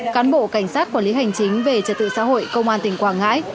cán bộ cảnh sát quản lý hành chính về trật tự xã hội công an tỉnh quảng ngãi